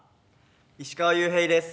石川裕平です。